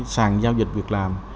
sàn giao dịch việc làm